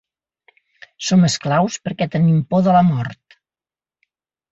Som esclaus perquè tenim por de la mort.